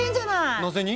なぜに？